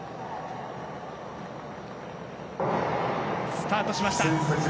スタートしました。